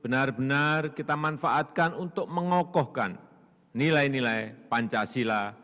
benar benar kita manfaatkan untuk mengokohkan nilai nilai pancasila